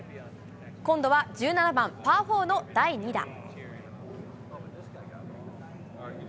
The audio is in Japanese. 今度は１７番パー４の第２打。